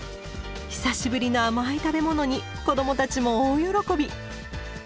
久しぶりの甘い食べ物に子どもたちも大喜び。